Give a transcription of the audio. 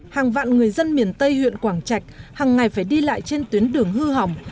hàng vạn người dân miền tây huyện quảng trạch hằng ngày phải đi lại trên tuyến đường hư hỏng